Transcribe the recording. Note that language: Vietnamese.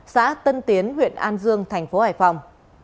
xã tân tiến huyện an dương tp hải phòng